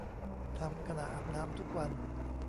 ทำขณะอาบน้ำทุกวัน